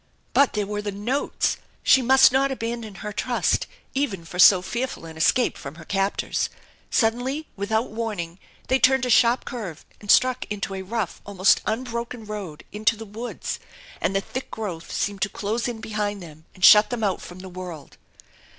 But there were the notes ! She must not abandon her trust even for so fearful an escape from her captors. Suddenly, without warning, they turned a sharp curve and struck into a rough, almost unbroken road into the woods, and the thick growth seemed to close in behind them and shut them out from the world.